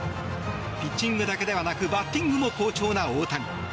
ピッチングだけではなくバッティングも好調な大谷。